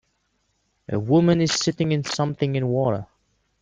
A woman is sitting in something in water.